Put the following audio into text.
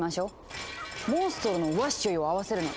モンストロの「ワッショイ」を合わせるの。